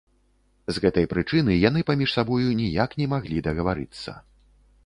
З гэтай прычыны яны паміж сабою ніяк не маглі дагаварыцца.